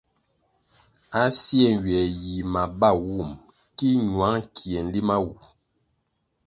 A sie nywie yi mabawum ki ñwang kie nlima wu.